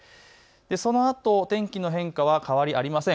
そのあと天気の変化は変わりありません。